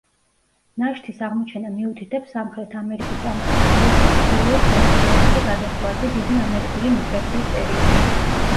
ნაშთის აღმოჩენა მიუთითებს სამხრეთ ამერიკის ამ მტაცებლების ჩრდილოეთ კონტინენტზე გადასვლაზე დიდი ამერიკული მიგრაციის პერიოდში.